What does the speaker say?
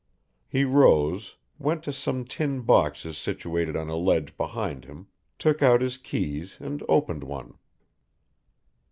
He rose, went to some tin boxes situated on a ledge behind him, took out his keys and opened one.